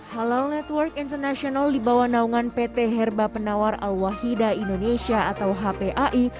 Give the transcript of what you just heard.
halo halo network international dibawah naungan pt herba penawar alwahida indonesia atau hp ai